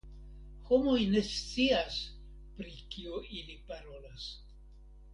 Homoj ne scias pri kio ili parolas.